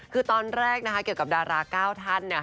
คือตอนแรกเกี่ยวกับดารา๙ท่าน